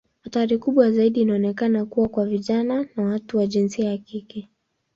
Hatari kubwa zaidi inaonekana kuwa kwa vijana na watu wa jinsia ya kike.